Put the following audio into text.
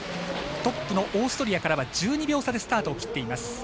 トップのオーストリアからは１２秒差でスタートを切っています。